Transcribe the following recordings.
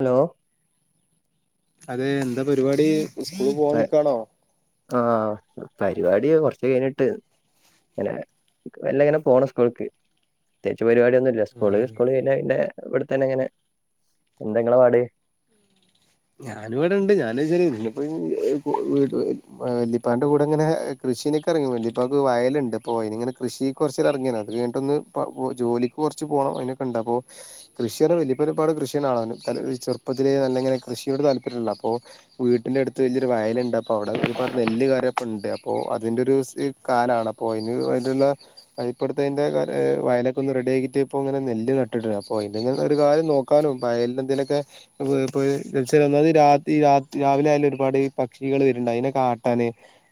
Hello അതെ എന്താ പരിപാടി. സ്കൂള പോവാൻ നിക്കാണോ. ആഹ പരിപാടിയ കൊറച്ചു കഴിഞ്ഞിട്ട്. അങ്ങനെ മെല്ലങ്ങനെ പോണം സ്കൂൾക്ക്. പ്രത്യേകിച്ച് പരിപാടിയ ഒന്നുംല്ല. സ്കൂള് സ്കൂള് കഴിഞ്ഞ പിന്ന ഇവിടെത്തന്നെ അങ്ങനെ. എന്തങ്ങളെ പാട്. ഞാനവിടെ ഇണ്ട് [unintelligible] വല്ലിപ്പാന്റെ കൂടെങ്ങനെ. കൃഷീക്കെ ഇറങ്ങി. ഇപ്പക്ക് വയലുണ്ട് പോയിനിങ്ങനെ കൃഷി കുറച്ച് ഇറങ്ങിയ അത് കഴിഞ്ഞിട്ട് ഒ ഇങ്ങനെ ജോലി കുറച്ച് പോകണം. അതിനൊക്കെ ഉണ്ട് അപ്പോ കൃഷിയ വല്ലിപ്പ പരിപാട് കൃഷിയാണ് ചെറപ്പത്തില നല്ലങ്ങനെ കൃഷിയോട് താല്പര്യമുള്ള. അപ്പോൾ വീട്ടിന്റെ അടുത്ത് വലിയൊരു വയലുണ്ട്. അപ്പോഅവിടെ ഒരുപാട് നെല്ല് കറിപ്പ ഉണ്ട്. അപ്പോഅതിന്റെ ഒരു കാലാണ്. അപ്പൊ അതിന് അയലുള്ള അതി ഇപ്പഴത്തെ അതിന്റെ വയലൊക്കെ ഒന്ന് റെഡിക്കിയിട്ട ഇപ്പൊ ഇങ്ങന നെല്ട്ടിട അപ്പോ അതിനെ ഒരു കാര്യം നോക്ക നക്കാനും വയല എന്തേലുമൊക്കെ പോയി പോയി രാത്രി രാവിലെ ആയാലും ഒരുപാട് പക്ഷികള് വരുണ്ട്. അതിനെ ആട്ടാന്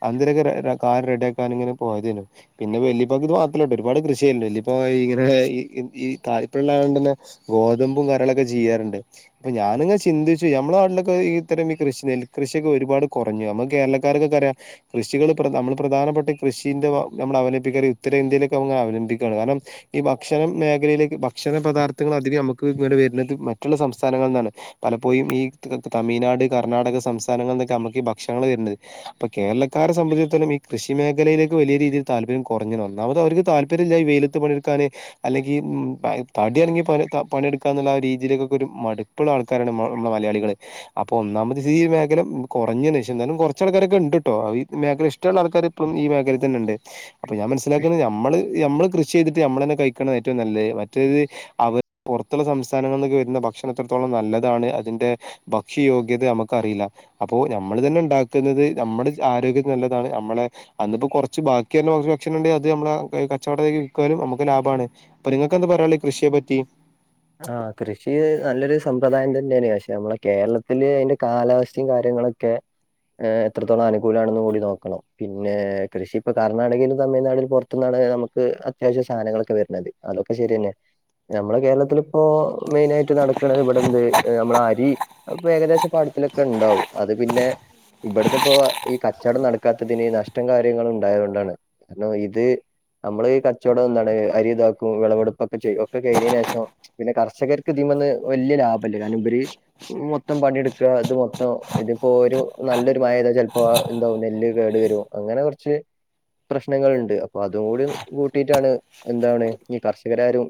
[unintelligible] കാർ റെഡിയാക്കാൻ ഇങ്ങനെ പോയതേനു പിന്നെ വലിപ്പക്ക് ഇത് മാത്രല്ല കേട്ടോ ഒരുപാട് കൃഷിയണ്ട്. വല്ലപ്പഇങ്ങനെ ഈ താൽപ്പര്യള്ളണ്ട്ന്നെ ഗോതമ്പും കാര്യങ്ങളൊക്കെ ചെയ്യാറുണ്ട്. അപ്പൊ ഞാനിങ്ങെ ചിന്തിച്ചു നമ്മുടെ നാട്ടിലൊക്കെ ഇത്തരം ഈ കൃഷി നെൽകൃഷിയൊക്കെ ഒരുപാട് കുറഞ്ഞു. നമ്മക്ക് കേരളക്കാരൊക്കെറിയാ. കൃഷികൾ നമ്മൾ പ്രധാനപ്പെട്ട കൃഷിന്റെ നമ്മൾ അവലംപ്പിക്കാ ഉത്തരേന്ത്യയിലേക്കെ അവ അവലംബിക്കയാണ്. കാരണം. ഈ ഭക്ഷണ മേഖലയിലേക്ക് ഭക്ഷണ പദാർത്ഥങ്ങൾ അധികം നമുക്ക് ഇങ്ങടെ വരുന്നത് മറ്റുള്ള സംസ്ഥാനങ്ങളിൽ നിന്നാണ് പലപ്പോഴും ഈ തമിഴ്നാട് കർണാടക സംസ്ഥാനങ്ങളിൽന്നൊക്കെ നമ്മുക്ക് ഈ ഭക്ഷണങ്ങൾ വരുന്നത് അപ്പൊ കേരളാരെ സംബന്ധിടത്തോം ഈ കൃഷി മേഖലയിലേക്ക് വലിയ രീതിയിൽ തില്പര്യം കുറഞ്ഞു. ഒന്നാമത് അവക്ക് താല്പര്യമില്ല. വെയിൽ ത്ത് പണിയെടുക്കാനെ അല്ലെങ്കിൽ തടി അനങ്ങി പണിയെടുക്കാന്നുള്ള ആ രീതിയിലേക്കൊക്കെ ഒരു മടുപ്പുള്ള ആൾക്കാരാണ് ഞമ്മൾ നമ്മള് മലയാളികള് അപ്പൊ ഒന്നാമത് ഈ മേഖല കൊറഞ്ഞ്ണ് പക്ഷെ എന്നാലും കൊറച്ച് ആൾക്കാരൊക്കെ ഇണ്ട്ട്ടോ ആഹ് ഈ മേഖല ഇഷ്ട്ടള്ള ആൾക്കാര് ഇപ്പം ഈ മേഖലയിൽ തന്നെണ്ട്. അപ്പോ ഞാൻ മനസ്സിലാക്കുന്നത് നമ്മള് നമ്മള് കൃഷി ചെയ്തിട്ട് നമ്മളന്നെ കഴിക്ക്ണ ഏറ്റവും നല്ലത്. മറ്റേത് അവർ പൊറത്തുള്ള സംസ്ഥാനങ്ങളില് വരുന്ന ഭക്ഷണം എത്രത്തോളം നല്ലതാണ് അത് അതിന്റെ ഭക്ഷ്യയോഗ്യത നമുക്കറീല അപ്പോ നമ്മൾ തന്നെ ഇണ്ടാക്കുന്നത് നമ്മുടെ ആരോഗ്യം നല്ലതാണ് നമ്മളെ അന്നിട്ട് കൊറച്ച് ബാക്കിവര്ണ ഭക്ഷണം ണ്ടെ അത് നമ്മളാ കച്ചവടത്തിലേക്ക് വിൽക്കാനും നമ്മക്ക് ലാഭാണ് പറി നിങ്ങക്ക് എന്താ പറയാള്ളേ ഈ കൃഷിയെ പറ്റി ആഹ് കൃഷി നല്ലൊരു സമ്പ്രദായം തന്നെയാണ് പക്ഷെ നമ്മളെ കേരളത്തില് അതിന്റെ കാലാവസ്ഥയും കാര്യങ്ങളൊ ക്കെ ഏഹ് എത്രത്തോളം അനുകൂലണെന്ന് കൂടി നോക്കണം പിന്നെ കൃഷി ഇപ്പ കർണാടകയിലും തമിഴ്നാടിലും പൊ റത്ത്ന്നാണ് നമുക്ക് അത്യാവശ്യം സാനങ്ങളൊക്കെ വരുന്നത് അതൊക്കെ ശരിയന്നെ നമ്മളെ കേരളത്തിലും ഇപ്പോ മെയിനായിട്ട് നടക്ക്ണത് ഇവിടെന്ത് ഏഹ് നമ്മള അരി അപ്പോ ഏകദേശം പാടത്തിലൊക്കെ ഉണ്ടാവും അത് പിന്നെ ഇബടുന്ന് ഇപ്പോ ഈ കച്ചോടം നടക്കാത്തതിന് നഷ്ടം കാര്യങ്ങളും ഉണ്ടായൊണ്ടാണ് നെല്ല് കൊയ്ത് നമ്മള് ഈ കച്ചവടം എന്താണ് അരി ഇതാക്കും വിളവെടുപ്പ് ഒക്കെ ചെയ്യും ഒക്കെ കഴിഞ്ഞയ്ന് ശേഷം പിന്നെ കർഷകർക്ക് ഇതിമന്ന് വല്യ ലാഭല്ല കാരണം ഇബർ മൊത്തം പണിയെടുക്ക ഇത് മൊത്തം ഇതിപ്പോ ഒരു നല്ലൊരു മഴയ്ത ചെലപ്പോ എന്താവും നെല്ല് കേട് വെരും അങ്ങനെ കൊർച് പ്രശ്നങ്ങൾണ്ട് അപ്പൊ അതും കൂടി കൂട്ടിയിട്ടാണ് എന്താണ് ഈ കർഷകരാരും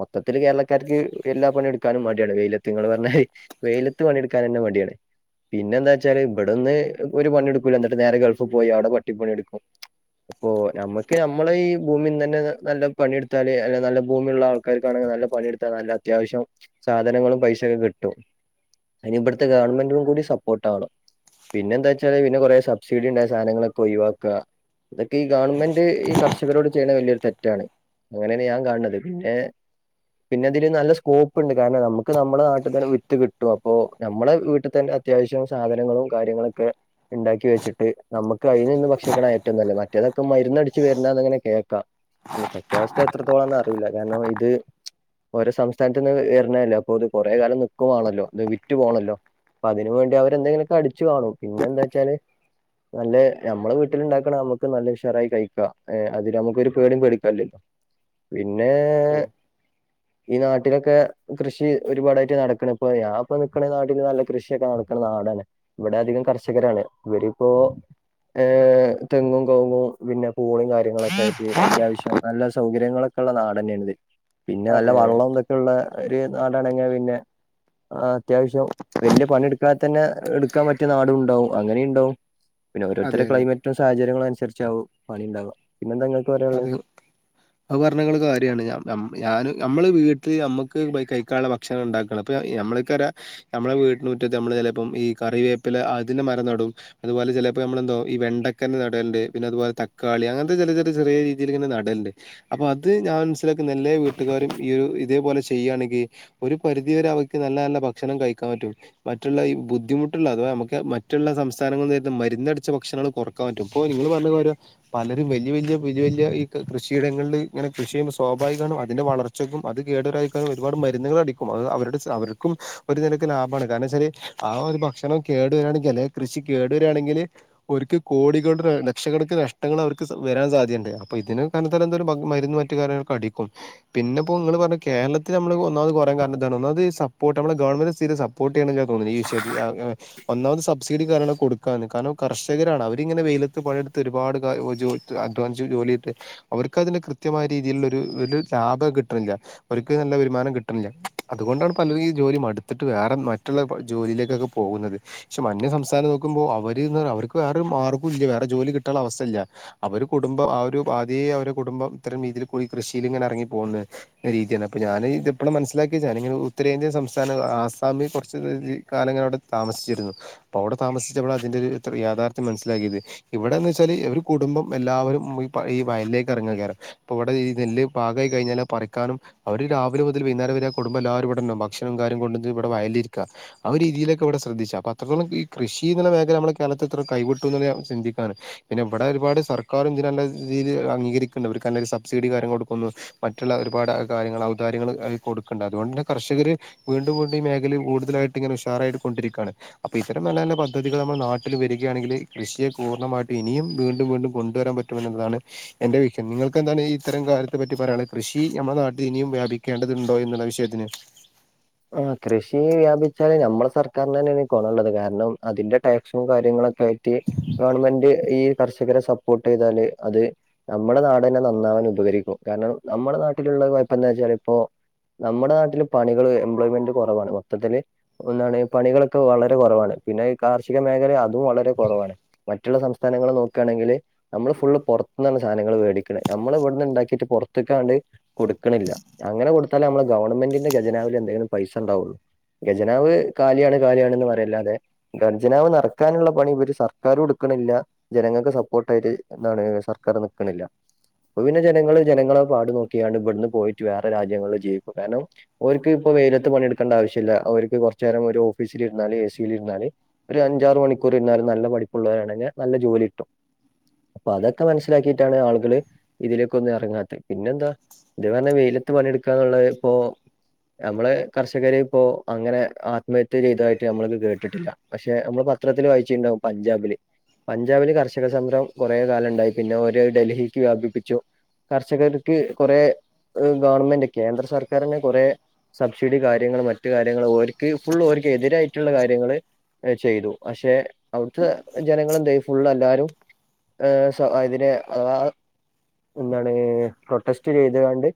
മൊത്തത്തിൽ കേരള ക്കാർക്ക് എല്ലാ പണിയെടുക്കാനും മടിയാണ് വെയിലത്ത് നിങ്ങൾ പറഞാരി വെയിലത്ത് പണിയെടുക്കാൻ തന്നെ മടിയാണ് പിന്നെ എന്താ വെച്ചാല് ഇബടെന്ന് ഒരു പണി എടുക്കൂല്ല എന്നിട്ട് നേരെ ഗൾഫ് പോയി അവിടെ പട്ടിപ്പണി എടുക്കും അപ്പൊ നമ്മക്ക് നമ്മള ഈ ഭൂമിന്ന് തന്നെ നല്ല പണിയെടുത്താല് അല്ലെ നല്ല ഭൂമിയുള്ള ആൾ ക്കാർക്കാണെങ്കിൽ നല്ല പണിയെടുത്താ നല്ല അത്യാവശ്യം സാധനങ്ങളും പൈസൊക്കെ കിട്ടും അയ്ൻ ഇബടുത്തെ ഗവൺമെന്റും കൂടി സപ്പോർട്ട് ആവണം പിന്നെ എന്താ വെച്ചാല് പിന്നെ കൊറേ സബ്സിഡി ഇണ്ടായ സാനങ്ങളൊക്കെ ഒഴിവാക്ക ഇതൊക്കെ ഈ ഗവൺമെന്റ് ഈ കർഷകരോട് ചെയ്യ്ണ വലിയൊരു തെറ്റാണ് അങ്ങനെയാണ് ഞാൻ കാണത് ഏഹ് പിന്നെ ഇതില് നല്ല സ്കോപ്പ് ഉണ്ട് കാരണം നമുക്ക് നമ്മളുടെ നാട്ടിൽ തന്നെ വിത്ത് കിട്ടും അപ്പോ നമ്മളെ വീട്ടിൽ തന്നെ അത്യാവശ്യം സാധനങ്ങളും കാര്യങ്ങളൊക്കെ ഇണ്ടാക്കി വെച്ചിട്ട് നമുക്ക് അയിൽ നിന്ന് ഭക്ഷിക്ക്ണ ഏറ്റവും നല്ലത് മറ്റേതൊക്കെ മര്ന്നടിച്ച് വരുന്ന അങ്ങനെ കേൾക്കാം അയിന്റെ സത്യാവസ്ഥ എത്രത്തോളംന്നറിയില്ല കാരണം ഇത് ഓരോ സംസ്ഥാനത്ത്ന്ന് വര്ണല്ലോ അപ്പൊ അത് കൊറേ കാലം നിക്കും വാണല്ലോ അത് വിറ്റു പോണല്ലോ അപ്പ അതിന് വേണ്ടി അവരെ എന്തെലൊക്കെ അടിച്ചു കാണും പിന്നെന്താച്ചാല് നല്ല നമ്മളെ വീട്ടില് ഉണ്ടാക്ക്ണെ നമുക്ക് നല്ല ഉഷാറായി കഴിക്കാം ഏഹ് അതിന് നമുക്ക് ഒരു പേടിയും പേടിക്കാൻ ഇല്ലല്ലോ അതെ പിന്നേഹ് ഈ നാട്ടിലൊക്കെ കൃഷി ഒരുപാടായിട്ട് നടക്ക്ണ് ഇപ്പൊ ഞാൻ ഇപ്പൊ നിക്ക്ണ നാട്ടിൽ നല്ല കൃഷിയൊക്കെ നടക്ക്ണ നാടാണ് ഇവിടെ അധികം കർഷകരാണ് ഇവരിപ്പോ ഏഹ് തെങ്ങും കൗങ്ങും പിന്നെ പൂളീം കാര്യങ്ങളൊ ക്കെയായിട്ട് അത്യാവശ്യം നല്ല സൗകര്യങ്ങളൊക്കെള്ള നാടെന്നെന്റെ പിന്നെ നല്ല അതെ വള്ളം തൊക്കെള്ള ഒരു നാടാണെങ്കി പിന്നെ ആഹ് അത്യാവശ്യം വല്യ പണി എടുക്കാതെ തന്നെ എടുക്കാൻ പറ്റിയ നാടും ഉണ്ടാവും അങ്ങനിം ഉണ്ടാവും പിന്നെ ഓരോരുത്തരെ അതെ അതെ ക്ലൈമറ്റും സഹചര്യങ്ങളും അനുസരിച്ചാകും പണിണ്ടാവ പിന്നെന്താ പറയാനുള്ളെ? അത് അത് പർഞ്ഞെ ഇങ്ങള് കാര്യാണ് ഞം ഞം ഞാന് ഞമ്മള് വീട്ടില് അമ്മക്ക് ബൈ കയ്ക്കാള്ള ഭ ക്ഷണണ്ടാക്കണം. ഇപ്പ നമ്മൾക്കറ്യാ ഞമ്മളെ വീട്ട്നുറ്റത്ത് അമ്മള് ചെലേപ്പം ഈ കറിവേപ്പില അതിന്റെ മരം നടും. അത്പോലെ ചെലെപ്പോ നമ്മെന്താവും ഈ വെണ്ടക്കന്റെ നടേല്ണ്ട് പിന്നെ അത്പോലെ തക്കാളി അങ്ങൻത്തെ ചെല ചെ ത് ചെറ്യേ രീതിയില് ങ്ങനെ നടല്ണ്ട്. അപ്പൊ അത് ഞാൻ മൻസ്സിലാക്ക്ന്നെ എല്ലാ വീട്ട്കാരും ഈ ഒരു ഇതേപോലെ ചെയ്യാണെങ്കി ഒരു പരിധിവരെ അവക്ക് നല്ല നല്ല ഭക്ഷണം കഴിക്കാൻ പറ്റും. മറ്റുള്ള ഈ ബുദ്ധിമുട്ടുള്ള അഥവാ നമുക്ക മറ്റുള്ള സംസ്ഥാനങ്ങൾന്ന് വെര്ന്ന മര്ന്നടിച്ച ഭക്ഷണങ്ങള് കൊറ് ക്കാം പറ്റും ഇപ്പോ നിങ്ങള് പർഞ്ഞ പോരെ പലരും വെല്ല്യ വെല്ല്യ വെല്യ വെല്ല്യ ഈ ക് കൃഷിയിടങ്ങൾള് ഇങ്ങനെ കൃഷി ചെയ്യുമ്പോ സ്വാഭാവികാണ് അതിന്റെ വളർച്ചക്കും അത് കേടരാ എഹ് ഒരുപാട് മര്ന്ന്കളടിക്കും അത് അവരുടെ ച് അവര്ക്കും ഒരു നിലക്ക് ലാഭാണ് കാരണെച്ചാല് ആ ഒരു ഭക്ഷണം കേടെരാണെങ്കി അല്ലെ കൃഷി കേടെരാണെങ്കില് ഓര്ക്ക് കോടികള്ടെറെ ലക്ഷക്കണക്ക് നഷ്ടങ്ങളവർക്ക് സ് വെരാൻ സാ ധ്യണ്ട് അപ്പൊ ഇതിന് കാരണത്താലെന്തെലും [unintelligible] മര്ന്ന് മറ്റ് കാര്യൊക്കടിക്കും. പിന്നെപ്പോ ഇങ്ങള് പർഞ്ഞു കേരളത്ത് നമ്മള് കൊ ഒന്നാമത് കൊറയാൻ കാരണ താണ് ഒന്നാമത് ഈ സപ്പോർട്ടമ്മളെ ഗവൺമെന്റ് തീരെ സ പ്പോർട്ടെയ്യ്ണില്ല തോന്ന്ണു ഈ വിഷയത്തി ആഹ് എഹ്. ഒന്നാമത് സബ്സിഡി കാര്യങ്ങളും കൊടുക്കാന് കാരണം കർഷകരാണ് അവരിങ്ങനെ വെയിലത്ത് പണിയെടുത്തൊരുപാട് കാ ജോലി ട്ത്ത് അ ധ്വാനിച്ചു ജോല്യയ്ത് അവർക്കതിന് കൃത്യമായ രീതിയില്ള്ളൊരു ഒരു ലാഭം കിട്ട്ണില്ല. അവര്ക്ക് നല്ല വരുമാനം കിട്ട്ണില്ല. അത്കൊണ്ടാണ് പലരും ഈ ജോലി മട്ത്ത്ട്ട് വേറെ മറ്റുള്ള പ ജോലിയിലേക്കൊക്കെ പോവുന്നത്. പക്ഷെ മന്യ സംസ്ഥാനം നോക്കുമ്പോ അവര്ന്നർഞ്ഞ അവര്ക്ക് വേറൊരു മാർഗൂല്ല വേറെ ജോലി കിട്ടാള്ള അവസ്ഥല്ല അവര് കുടുംബം ആ ഒരു ആദ്യേ അവരെ കുടുംബം ഇത്തരം രീതിയിൽ പോയി കൃഷില്ങ്ങനെ റങ്ങിപ്പോന്ന്. രീത്യാണ്. അപ്പൊ ഞാന് ത്പ്പളാ മൻസ്സിലാക്കിച്ചാ ഞാനിങ്ങനെ ഉത്തരേന്ത്യൻ സംസ്ഥാന ആസാമിൽ കൊർച്ച് ദി കാല ങ്ങനവിടെ താമസിച്ചിരുന്നു. അവടെ താമസിച്ചപ്പളാ ഇതിൻ്റൊര്‌ത്രേ യാഥാർത്ഥ്യ മൻസിലാക്കിയത് ഇവിടെന്നെച്ചാല് ഒരു കുടുംബം എല്ലാവരും ഈ പ ഈ വയലിലേക്ക് എറങ്ങേകാരം അപ്പൊ ഇവടെ ഈ നെല്ല് പാകായി കഴിഞ്ഞാല് അത്‌ പറിക്കാനും അവര് രാവിലെ മുതല് വൈന്നാരം വരെ ആ കുടുംബം എല്ലാവരും ഇവടെണ്ടാവും ഭക്ഷണം കാര്യം കൊണ്ടച്ച് ഇവടെ വയലിരിക്കാ. ആ ഒര് രീതിയിലൊക്കെവടെ ശ്രദ്ധിച്ച. അപ്പോ അത്രത്തോളം ഈ കൃഷി ന്ന്ള്ള മേഖല നമ്മളെ കേരളത്ത് ത്രെ കൈവിട്ടു ന്ന്ള്ളെ ചിന്തിക്കാന്. പിന്നെ ഇവടെ ഒരുപാട് സർക്കാരും ഇതിനെല്ല തീല് അംഗീകരിക്ക്ണ്ട് ഇവര്ക്ക് നല്ലൊരു സബ്സിഡി കാര്യം കൊടുക്കുന്നു. മറ്റുള്ള ഒരുപാട് കാര്യങ്ങള് ഔദാര്യങ്ങൾ അവര്ക്ക് കൊട്ക്ക്ണ്ട് അത്കൊണ്ടെന്നെ കർഷകര് വീണ്ടും വീണ്ടും മേഖല കൂടുതാലായിട്ട് ങ്ങനെ ഉഷാറായിട്ട് കൊണ്ട്രിക്കാണ്. അപ്പൊ ഇത്തരം നല്ല നല്ല പദ്ധതികള് നമ്മളെ നാട്ടില് വെരികയാണെങ്കില് കൃഷിയെ പൂർണ്ണമായിട്ട് ഇനിയും വീണ്ടും വീണ്ടും കൊണ്ടുവരാൻ പറ്റും എന്നുള്ളതാണ് എന്റെ വിഷൻ. നിങ്ങൾക്കെന്താണ് ഇത്തരം കാര്യത്തെ പറ്റി പറയാളെ? കൃഷി അമ്മളെ നാട്ടി ഇനിയും വ്യാപി ക്കെണ്ടത്ണ്ട് എന്ന്ള്ള വിഷയത്തിന്. ആഹ് കൃഷി വ്യാപിച്ചാല് ഞമ്മളെ സർക്കാരിന്നെനെണ് കൊണള്ളത് കാരണം അതിന്റെ ടാക്സും കാര്യങ്ങളൊ ക്കായിട്ട് ഗവൺമെന്റ് ഈ കർഷകരെ സപ്പോർട്ടെയ്താല് അത് നമ്മളെ നാടെന്നെ നന്നാവാൻ ഉപകരിക്കും. കാരണം നമ്മളെ നാട്ട്‌ല്ള്ള കൊയപ്പന്താച്ചാല് ഇപ്പോ നമ്മടെ നാട്ടില് പണികള് എംപ്ലോയ്മെന്റ് കൊറവാണ് മൊത്തത്തില്. ഒന്നാണ് പണികളൊക്കെ വളരെ കൊറവാണ്. പിന്നെ ഈ കാർഷിക മേഖല അതും വളരെ കൊറവാണ്. മറ്റുള്ള സംസ്ഥാനങ്ങളെ നോക്കാണെങ്കില് നമ്മള് ഫുള് പൊർത്ത്ന്നാണ് സാനങ്ങള് വേടിക്കണേ നമ്മള് വടെന്ന്ണ്ടാക്കിട്ട് പോർത്ത്ക്കാണ്ട് കൊടുക്ക്ണില്ല അങ്ങനെ കൊട്ത്താലേ നമ്മളെ ഗവൺമെന്റിന്റെ ഖജനാവില് എന്തെങ്കിലും പൈസണ്ടാവൊള്ളൂ. ഖജനാവ് കാല്യാണ് കാല്യാണ്ന്ന് പറ്യല്ലാതെ ഖജനാവ് നെറക്കാന്ള്ള പണി ഇവര് സർക്കാരും ഇട്ക്ക്ണില്ല ജനങ്ങക്ക് സപ്പോർട്ടായിട്ട് എന്താണ് സർക്കാർ നിക്ക്ണില്ല അപ്പോ പിന്നെ ജനങ്ങള് ജനങ്ങളെ പാടു നോക്കിക്കാണ്ട് ഇവട്ന്ന് പോയിട്ട് വേറെ രാജ്യങ്ങള്ല് ജീവിക്കും കാരണം ഓര്ക്ക് ഇപ്പ വെയിലത്ത് പണിട്ക്കേണ്ട ആവശ്യല്ല അവര്ക്ക് കൊറച്ചേരം ഒരു ഓഫീസില് ഇരുന്നാല് എസീല് ഇരുന്നാല് ഒരു അഞ്ചാറ് മണിക്കൂറ് ഇര്ന്നാലും നല്ല പഠിപ്പ്ള്ളോരണെങ്കി നല്ല ജോലി കിട്ടും അപ്പൊ അതൊക്കെ മനസ്സിലാക്കിയിട്ടാണ് ആള്കള് ഇതിലേക്കൊന്നും ഇറങ്ങാത്തത് പിന്നെന്താ ഇജ്ജ് പറഞ്ഞ വെയിലത്ത് പണിട്ക്കാന്ന്ള്ളത് ഇപ്പൊ നമ്മള് കർഷകരെ ഇപ്പോൾ അങ്ങനെ കർഷകര് ഇപ്പൊ അങ്ങനെ ആത്മഹത്യ ചെയ്തതായിട്ട് നമ്മളത് കേട്ടിട്ടില്ല പക്ഷെ നമ്മള് പത്രത്തിൽ വായിച്ചിണ്ടാവും പഞ്ചാബില് പഞ്ചാബില് കർഷക സംരഭം കുറെ കാലം ഇണ്ടായി പിന്നെ ഒരത് ഡൽഹിക്ക് വ്യാപിപ്പിച്ചു കർഷകര്ക്ക് കൊറെ ഗവൺമെന്റ് കേന്ദ്ര സർക്കാരിന് കൊറേ സബ്സിഡി കാര്യങ്ങൾ മറ്റ് കാര്യങ്ങൾ ഓര്ക്ക് ഫുള്ള് ഓര്ക്ക് എതിരായിട്ട്ള്ള കാര്യങ്ങള് അത് ചെയ്തു പക്ഷെ അവിട്ത്തെ ജനങ്ങള് എന്തായി ഫുള്ള് എല്ലാരും ഏഹ് [unintelligible] ആ എന്താണ് പ്രൊട്ടക്സ്റ്റ് ചെയ്ത്ക്കാണ്ട്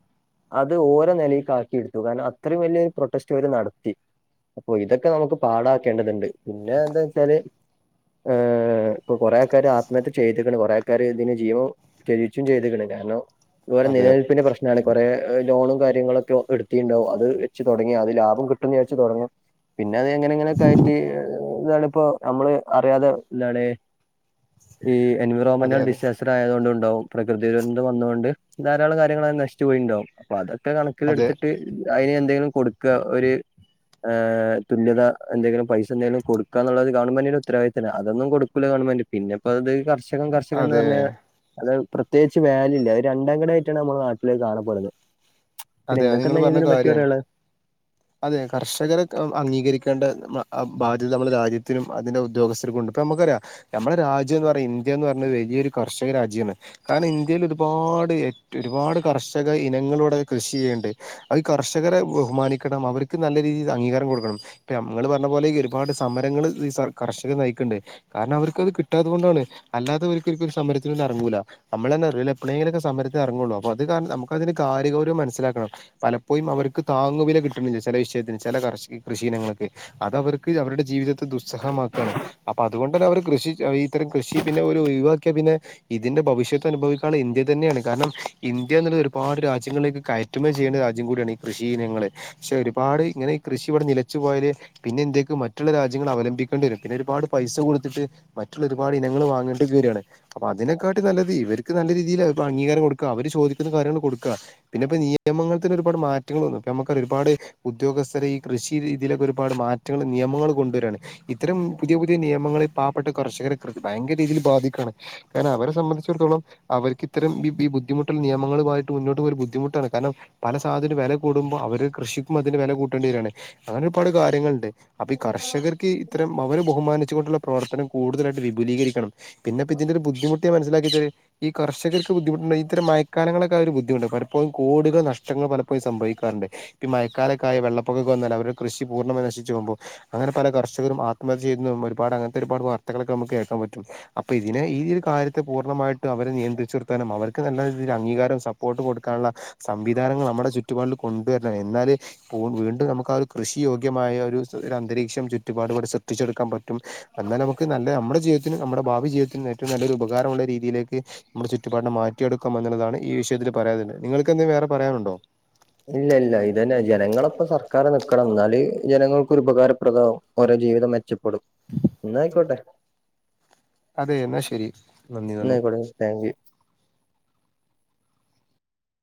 അത് ഓരേ നെലേക്ക് ആക്കി ഇട്ത്തു കാരണം അ ത്രേം വല്യോര് പ്രൊട്ടസ്റ്റ് ഇവര് നടത്തി. അപ്പൊ ഇതൊക്കെ നമുക്ക് പാടാക്കേണ്ടത്ണ്ട് പിന്നാ എന്താന്നെച്ചാല് ഏഹ് ഇപ്പം കൊറേ ആള്ക്കാര് ആത്മഹത്യ ചെയ്ത്ക്ക്ണ് കൊറേ ആള്ക്കാര് ഇതിന് ജീവം തെജിച്ചും ചെയ്ത്ക്ക്ണ് കാര്ണം ഇവരേ അതെ നിലനിൽപ്പിന്റ പ്രശ്നാണ് കൊറേ ലോണും കാര്യങ്ങളൊക്കെ ഒ എട്ത്തീണ്ടാവും അത് വെച്ച് തൊടങ്ങി അത് ലാഭം കിട്ടുന്ന് വിചാരിച്ച്‌ തൊടങ്ങും പിന്നെ അത് എങ്ങനെങ്കിലൊക്കായിട്ട് ഇതാണിപ്പോ നമ്മ്ള് അറിയാതെ എന്താണ് ഈ അതെ എൻവറോമന്റൽ അതെ ഡിസേസ് ത്ര ആയതോണ്ടും ഇണ്ടാവും പ്രകൃതി ദുരന്തം വന്നോണ്ട് ധാരളം കാര്യങ്ങളത് നശിച്ച് പോയിണ്ടാവും അപ്പൊ അതൊക്കെ അതെ കണക്കിലെട്ത്ത്ട്ട് അയ്നെന്തേലും കൊട്ക്കാ ഒര് ഏഹ് തുല്യത എന്തെങ്കിലും പൈസന്തെങ്കിലും കൊട്ക്കാന്ന്ള്ളത് ഗവണ്മെന്റിന്റെ ഉത്തരവാദിത്തല്ലേ അതൊന്നും കൊടുക്കൂല ഗവൺമെന്റ് പിന്നെ ഇപ്പത് കർഷകം കർഷകൻന്ന് അതെ പറഞ്ഞ് അത് പ്രത്യേച്ച് വാല്യൂ ഇല്ല അത് രണ്ടാം ഘടു ആയിട്ടാണ് നമ്മളെ നാട്ടിലത് കാണപെട്ന്നെ. പിന്നെ അതെ അത് ഇങ്ങക്ക് നിങ്ങൾ എന്താ ഇഞ്ഞ് പറഞ്ഞ ഇതിനെപറ്റി കാര്യാണ് പറയാള്ളത് അതെ കർഷകരെ ക് അംഗീകരിക്കേണ്ട മ അ ബാധ്യത നമ്മളെ രാജ്യത്തിനും അതിൻ്റ ഉദ്യോഗസ്ഥർക്കും ഉണ്ട് ഇപ്പ നമ്മ്ക്കറിയാ നമ്മളെ രാജ്യന്ന് പറയാ ഇന്ത്യാന്ന് പറഞ്ഞെ വല്ല്യോര് കർഷക രാജ്യണ്. കാര്ണം ഇന്ത്യലൊര്പാട് ഏറ്റു ഒരുപാട് കർഷക ഇനങ്ങള് ഇവടെ കൃഷി ചെയ്യ്ണ്ട് അത് കർഷകരെ ബഹുമാനിക്കണം അവര്ക്ക് നല്ല രീതി അംഗീകാരം കൊട്ക്കണം. ഇപ്പം ഞ ഇങ്ങള് പറഞ്ഞ പോലെ ഈ ഒരുപാട് സമരങ്ങള് ഈ സർ കർഷകർ നയ്ക്ക്ണ്ട് കാര്ണം അവർക്കത് കിട്ടാത്തത് കൊണ്ടാണ് അല്ലാതെ ഓര്ക്ക് [unintelligible] സമരത്തിനൊന്നും എറങ്ങൂല നമ്മളെ നെറുവില് എപ്പളെങ്കിലൊക്കെ സമരത്തിന് എറങ്ങൊള്ളൂ അപ്പ അത് കാരണം നമുക്കതിന് കാര്യഗൗരവം മനസിലാക്കണം. പലപ്പോയും അവര്ക്ക് താങ്ങുവില കിട്ട്ണില്ല ചെല വിഷയത്തിന് ചെല കർഷ് കൃഷിയിനങ്ങക്ക് അതവർക്ക് അവര്ടെ ജീവിതത്തെ ദുസ്സഹമാക്കാണ്. അപ്പൊ അത്കൊണ്ടെന്നെ അവര് കൃഷി ഈത്തരം കൃഷി പിന്നെ ഓര് ഒഴിവാക്കിയാ പിന്നെ ഇതിന്റെ ഭവിശത്ത് അനുഭവിക്കാണെ ഇന്ത്യ തന്നെയാണ് കാര്ണം ഇന്ത്യാന്ന്ള്ള ഒരുപാട് രാജ്യ ങ്ങളിലേക്ക് കയറ്റുമതി ചെയ്യണ്ട രാജ്യം കൂട്യാണ് ഈ കൃഷി ഇനങ്ങള് ക്ഷെ ഒരുപാട് ഇങ്ങനെ ഈ കൃഷി ഇവടെ നിലച്ച് പോയാല് പിന്നെ ഇന്ത്യക്ക് മറ്റുള്ള രാജ്യങ്ങള് അവലംബിക്കണ്ടി വെരും പിന്നൊരുപാട് പൈസ കൊടുത്ത്ട്ട് മറ്റുള്ള ഒരുപാട് ഇനങ്ങള് വാങ്ങണ്ടിം വെരാണ്. അപ്പം അതിനെക്കാട്ടി നല്ലത് ഇവര്ക്ക് നല്ല രീതില് അംഗീകാരം കൊട്ക്ക അവര് ചോദിക്കുന്ന കാര്യങ്ങള് കൊട്ക്കാ പിന്നിപ്പ നിയമങ്ങത്തിന് ഒരുപാട് മാറ്റങ്ങള് വന്നു ഇപ്പ അമ്മക്കറിയ ഒരുപാട് ഉദ്യോഗസ്ഥരെ ഈ കൃഷി രീതിലൊക്ക ഒരുപാട് മാറ്റങ്ങള് നിയമങ്ങൾ കൊണ്ടുവരാണ് ഇത്തരം പുതിയ പുതിയ നിയമങ്ങള് പാവപ്പെട്ട കർഷകരെ കൃഷി ഭയ്ങ്കര രീതില് ബാധിക്കാണ് കാരണം അവരെ സംബന്ധിച്ചിടത്തോളം അവര്ക്ക് ഇത്തരം ബി ഈ ബുദ്ധിമുട്ടൽ നിയമങ്ങളുമായ്ട്ട് മുന്നോട്ട് പോവരു ബുദ്ധിമുട്ടാണ് കാര്ണം പല സാധനു വെല കൂടുമ്പ അവര് കൃഷിക്കും അതിന് വെല കൂട്ടണ്ടി വെരാണ് അങ്ങനൊര്പാട് കാര്യങ്ങൾണ്ട് അപ്പ ഈ കർഷകർക്കീ ഇത്തരം അവരെ ബഹുമാനിച്ചുകൊണ്ടുള്ള പ്രവർത്തനം കൂട്തലായിട്ട് വിപുലീകരിക്കണം പിന്ന ഇപ്പ ഇതിന്റൊര് ബുദ്ധിമുട്ട ഞാൻ മനസിലാക്കികഴി ഈ കർഷര്ക്ക് ബുദ്ധമുട്ട്ണ്ട് ഇത്തര മയക്കാലങ്ങളൊക്കെ ആ ഒര് ബദ്ധിമുട്ട പല പ്പോം കോടികൾ നഷ്ടങ്ങൾ പലപ്പോഴും സംഭവിക്കാറ്ണ്ട് ഈ മയക്കാലക്കായ് വെള്ളപ്പൊക്കൊക്ക വന്നാല് അവര്ടെ കൃഷി പൂർണ്ണമായ് നശിച്ച്‌ പോകുമ്പോ അങ്ങന പല കർഷകരും ആത്മഹത്യ ചെയ്ന്നതും ഒരുപാട് അങ്ങൻത്തെ ഒരുപാട് വാർത്തകളെക്ക അമക്ക് കേക്കാം പറ്റും അപ്പ ഇതിനെ ഈ ഒര് കാര്യത്തെ പൂർണ്ണമായ്ട്ടും അവരെ നിയന്ത്രിച്ച്‌ നിർത്താനും അവർക്ക് നല്ല രീതില് അംഗീകാരൊം സപ്പോർട്ട് കൊട് ക്കാൻള്ള സംവിധാനങ്ങൾ നമ്മട ചുറ്റുപാട്ല് കൊണ്ട് വെർണം എന്നാല് പു വീ- ണ്ടും നമുക്കാരു കൃഷി യോഗ്യമായ ഒരു അന്തരീക്ഷം ചുറ്റുപാടുവ്ടെ സൃഷിച്ചെടുക്കാ പ റ്റും എന്ന നമുക്ക് നല്ല അമ്മുടെ ജീവ്തത്തിനും നമ്മടെഭാവി ജീവ്തത്തിനും ഏറ്റവും നല്ലൊരു ഉപ കാരമുള്ള രീതീലേക്ക് നമ്മുട ചുറ്റുപാട്നെ മാറ്റിയെടുക്കാം എന്നുള്ള താണ് ഈ വിഷേത്തില് പറയാത്ള്ളെ നിങ്ങൾക്ക് എന്തെ വേറെ പറയാനുണ്ടോ ഇല്ല ഇല്ല ഇതന്നെ ജനങ്ങള ഇപ്പ സർക്കാർന് നിക്കണം എന്നാല് ജനങ്ങൾക്കൊരു ഉപകാരപ്രദാവും ഓരോ ജീവിതം മെച്ച പ്പെടും എന്ന ആയിക്കോട്ടെ അതെ എന്നാ ശെരി എന്നായികോട്ടെ താങ്ക് യു